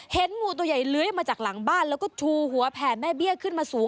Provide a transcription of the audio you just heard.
งูตัวใหญ่เลื้อยมาจากหลังบ้านแล้วก็ชูหัวแผ่แม่เบี้ยขึ้นมาสูง